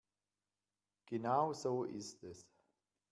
Genau so ist es.